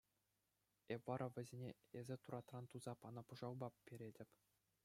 Эп вара вӗсене эсӗ туратран туса панӑ пӑшалпа перетӗп.